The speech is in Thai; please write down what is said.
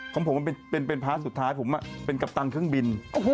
ของผมมันเป็นพาร์ทสุดท้ายผมเป็นกัปตันเครื่องบิน